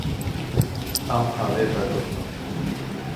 Em avê vedixwin.